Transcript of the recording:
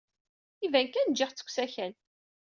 Iban kan ǧǧiɣ-tt deg usakal.